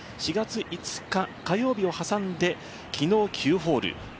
４月５日、火曜日を挟んで昨日、９ホール。